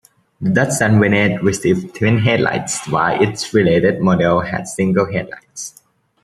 The Datsun Vanette received twin headlights, while its related models had single headlights.